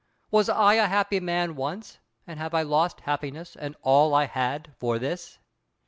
Was I a happy man once, and have I lost happiness and all I had for this?"